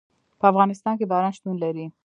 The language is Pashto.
په افغانستان کې باران شتون لري.